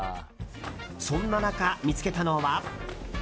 そんな中、見つけたのは。